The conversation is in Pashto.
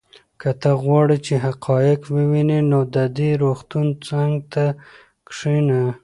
که ته غواړې چې حقایق ووینې نو د دې روغتون څنګ ته کښېنه.